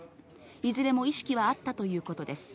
いずれも意識はあったということです。